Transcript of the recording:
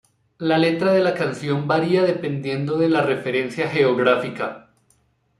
La letra de la canción varía dependiendo de la referencia geográfica.